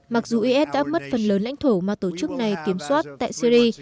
mặc dù is đã mất phần lớn lãnh thổ mà tổ chức này kiểm soát tại syri